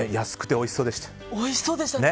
おいしそうでしたね。